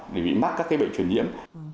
để bị mắc các cái bệnh truyền nhiễm